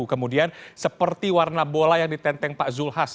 kemudian seperti warna bola yang ditenteng pak zulhas